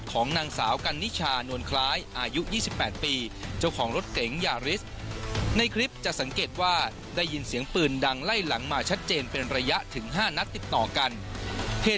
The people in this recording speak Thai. ของนางสาวกัณฑิชาน่วนกลายอายุ๒๘ปี